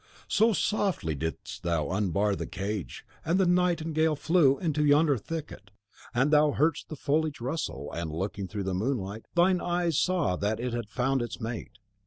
So softly didst thou unbar the cage, and the nightingale flew into yonder thicket; and thou heardst the foliage rustle, and, looking through the moonlight, thine eyes saw that it had found its mate.